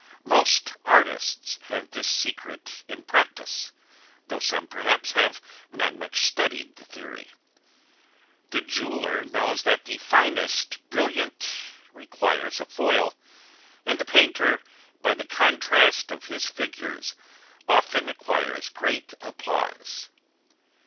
Most artists have this secret in practice, though some, perhaps, have not much studied the theory. The jeweller knows that the finest brilliant requires a foil; and the painter, by the contrast of his figures, often acquires great applause.